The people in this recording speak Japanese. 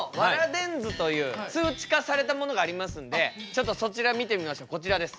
電図という数値化されたものがありますんでちょっとそちら見てみましょうこちらです。